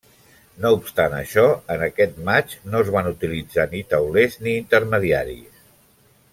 No obstant això, en aquest matx no es van utilitzar ni taulers ni intermediaris.